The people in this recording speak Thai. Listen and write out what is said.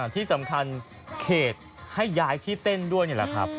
ที่สำคัญเขตให้ย้ายที่เต้นด้วยนี่แหละครับ